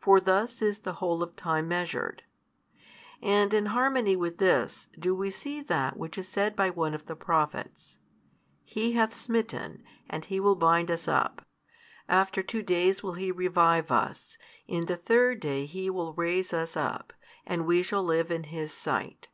For thus is the whole of time measured. And in harmony with this do we see that which is said by one of the prophets, He hath smitten, and He will bind us up. After two days will He revive us, in the third day He will raise us up, and we shall live in His Sight.